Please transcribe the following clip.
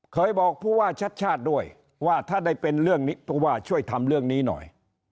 เคยบอกผู้ว่าชัดชาติด้วยว่าถ้าได้เป็นเรื่องนี้ผู้ว่าช่วยทำเรื่องนี้หน่อย